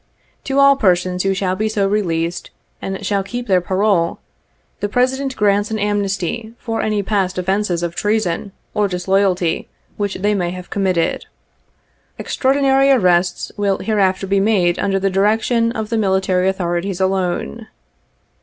To all persons who shall be so released, and shall keep their parole, the President grants an amnesty for any past offences of treason or disloyalty which they may have committed. Extraordinary arrests will hereafter be made under the direction of the military authorities alone.